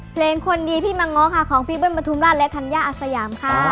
เพลงคนดีพี่มาง้อค่ะของพี่เบิ้ลประทุมราชและธัญญาอาสยามค่ะ